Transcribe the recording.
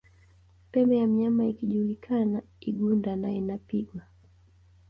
Pembe ya mnyama ikijuliakana igunda na inapigwa